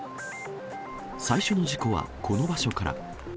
最初の事故はこの場所から。